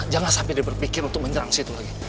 jangan sampai dia berpikir untuk menyerang situ lagi